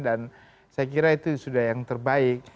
dan saya kira itu sudah yang terbaik